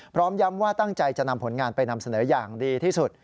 พร้อมย้ำว่าตั้งใจจะนำผลงานไปนำเสนออย่างดีที่สุด